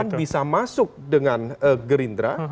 pan bisa masuk dengan gerindra